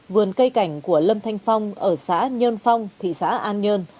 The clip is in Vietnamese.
vườn cây cảnh của lâm thanh phong ở xã nhơn phong thị xã an nhơn